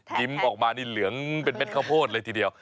ยิ้มออกมานี่เหลืองเป็นเม็ดข้าวโพดเลยทีเดียว